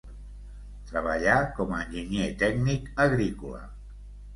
Treballà com a enginyer tècnic agrícola.